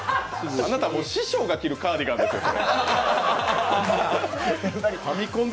あなたそれ師匠が着るカーディガンですよ、それ。